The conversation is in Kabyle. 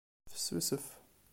Tessusef.